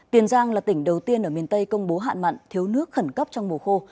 tiền giang là tỉnh đầu tiên ở miền tây công bố hạn mặn thiếu nước khẩn cấp trong mùa khô